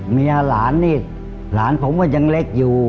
เมียหลานนี่หลานผมก็ยังเล็กอยู่